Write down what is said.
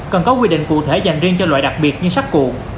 cần có quy định cụ thể dành riêng cho loại đặc biệt như sắt cuộn